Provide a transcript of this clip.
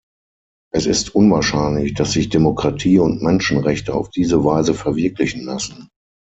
Es ist unwahrscheinlich, dass sich Demokratie und Menschenrechte auf diese Weise verwirklichen lassen.